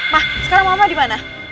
mah sekarang mama dimana